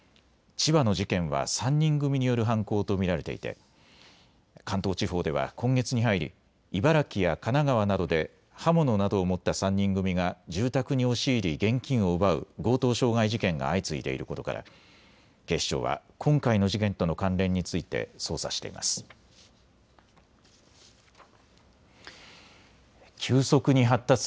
千葉の事件は３人組による犯行と見られていて関東地方では今月に入り茨城や神奈川などで刃物などを持った３人組が住宅に押し入り現金を奪う強盗傷害事件が相次いでいることから警視庁は今回の事件との関連について捜査しています。